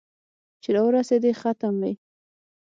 چې را ورېسېدې ګنې ختم وې